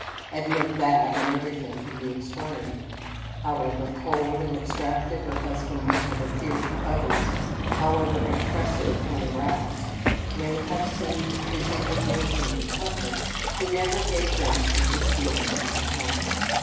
Admit that, and everything can be ex plained. However cold and abstracted her husband may have appeared to others, however impressive, when aroused, may have seemed his indignation in public, he never gave vent to his feelings at home.